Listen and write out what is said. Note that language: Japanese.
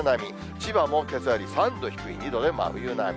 千葉もけさより３度低い２度で真冬並み。